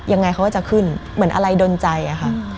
ยังไงเขาก็จะขึ้นเหมือนอะไรดนใจอะค่ะ